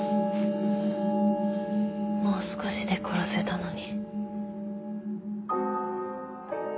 もう少しで殺せたのに。